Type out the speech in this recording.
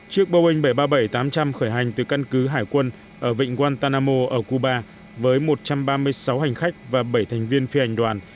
chiếc boeing bảy trăm ba mươi bảy tám trăm linh khởi hành từ căn cứ hải quân ở vịnh guantanamo ở cuba với một trăm ba mươi sáu hành khách và bảy thành viên phi hành đoàn